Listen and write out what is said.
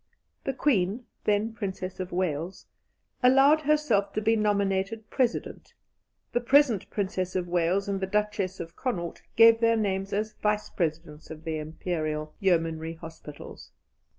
The Queen then Princess of Wales allowed herself to be nominated President; the present Princess of Wales and the Duchess of Connaught gave their names as Vice Presidents of the Imperial Yeomanry Hospitals.